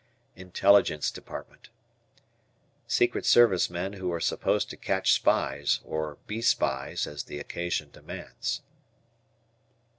Intelligence Department. Secret service men who are supposed to catch spies or be spies as the occasion demands.